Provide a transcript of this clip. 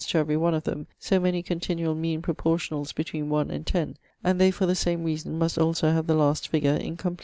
] to every one of them so many continuall meane proportionalls between 1 and 10, and they for the same reason must also have the last figure incompleat.